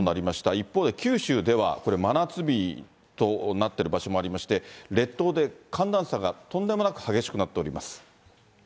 一方で九州ではこれ、真夏日となってる場所もありまして、列島で寒暖差がとんでもなく激しくなっております。